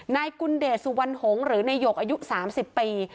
นายกุลเดชสุวรรณหงษ์หรือนายหยกอายุ๓๐ปี